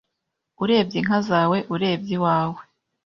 urebye inka zawe, urebye iwawe.